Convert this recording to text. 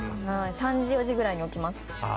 ３時、４時くらいに起きます。